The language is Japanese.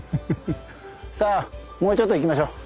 さあもうちょっと行きましょう。